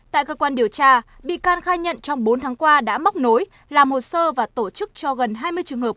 tại cơ quan điều tra bị can khai nhận trong bốn tháng qua đã móc nối làm hồ sơ và tổ chức cho gần hai mươi trường hợp